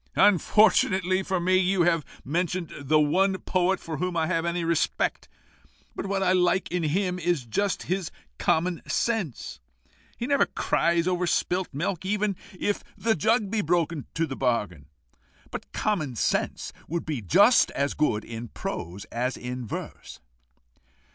"Unfortunately for me, you have mentioned the one poet for whom I have any respect. But what I like in him is just his common sense. He never cries over spilt milk, even if the jug be broken to the bargain. But common sense would be just as good in prose as in verse."